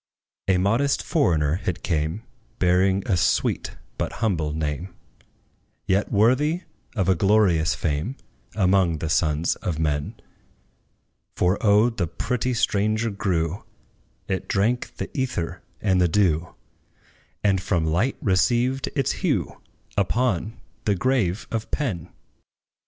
A modest foreigner it came, Bearing a sweet, but humble name; Yet worthy of a glorious fame Among the sons of men; For O the pretty stranger grew: It drank the ether and the dew, And from light received its hue Upon the grave of PENN!